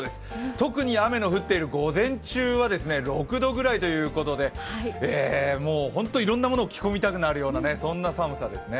特に雨の降っている午前中は６度ぐらいということでもう本当に、いろんなものを着込みたくなるような寒さですね。